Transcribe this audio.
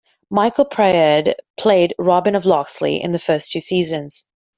Michael Praed played Robin of Loxley in the first two seasons.